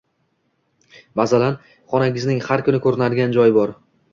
Masalan, xonangizning har kuni ko’rinadigan joy bor.